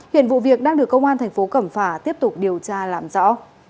hiện vụ việc đang được công an tp cẩm phà tiếp tục điều tra làm rõ